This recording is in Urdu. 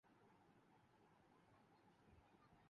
جنرل مشرف جوکہ وردی ملبوس آمر تھے۔